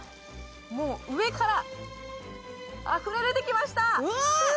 もう上からあふれでてきましたわあ